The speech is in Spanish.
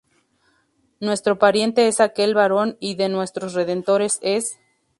Nuestro pariente es aquel varón, y de nuestros redentores es.